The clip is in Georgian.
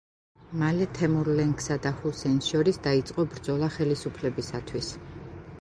მალე თემურლენგსა და ჰუსეინს შორის დაიწყო ბრძოლა ხელისუფლებისათვის.